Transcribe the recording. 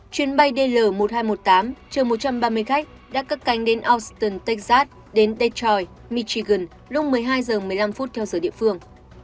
chuyến bay dl một nghìn hai trăm một mươi tám chờ một trăm ba mươi khách đã cất cánh đến auston texas đến tetrai michigan lúc một mươi hai h một mươi năm theo giờ địa phương